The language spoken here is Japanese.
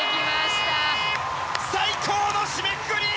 最高の締めくくり。